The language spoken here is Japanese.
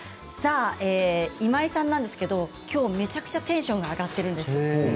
今井さんなんですがきょうめちゃくちゃテンションが上がっているんです。